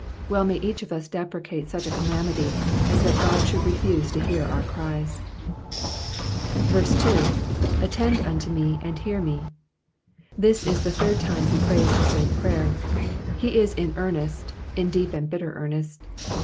Well may each of us deprecate such a calamity as that God should refuse to hear our cries. 2. ^*^ Attend unto me^ and hear m^." This is the third time he prays the same prayer. He is in earnest, in deep and bitter earnest.